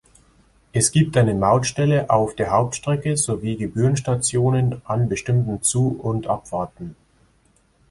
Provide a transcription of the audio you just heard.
Es gibt eine Mautstelle auf der Hauptstrecke sowie Gebührenstationen an bestimmten Zu- und Abfahrten.